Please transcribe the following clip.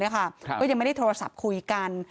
ก็ยังไม่ได้โทรศัพท์คุยกัน